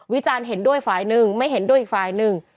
วิจารณ์เห็นด้วยฝ่ายหนึ่งไม่เห็นด้วยอีกฝ่ายหนึ่ง